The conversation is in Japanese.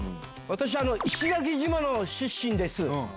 私は石垣島の出身です。